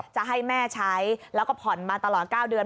จะให้แม่ใช้แล้วก็ผ่อนมาตลอด๙เดือน